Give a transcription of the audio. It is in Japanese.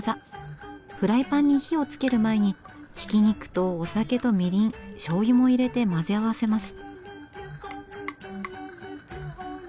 フライパンに火をつける前にひき肉とお酒とみりんしょうゆも入れて混ぜ合わせます。